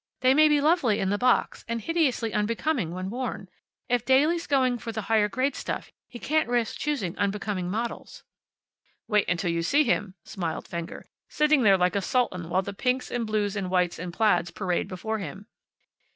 They may be lovely in the box and hideously unbecoming when worn. If Daly's going in for the higher grade stuff he can't risk choosing unbecoming models." "Wait till you see him!" smiled Fenger, "sitting there like a sultan while the pinks and blues, and whites and plaids parade before him."